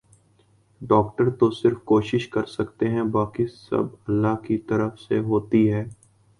doctor تو کوشش کر سکتے ہیں باقی سب اللہ کی طرف سے ھوتی ہے